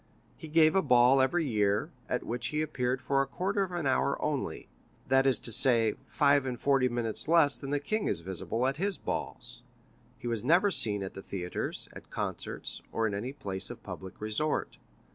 He gave a ball every year, at which he appeared for a quarter of an hour only,—that is to say, five and forty minutes less than the king is visible at his balls. He was never seen at the theatres, at concerts, or in any place of public resort.